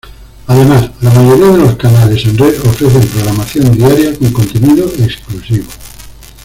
Además la mayoría de los canales en red ofrecen programación diaria con contenido exclusivo.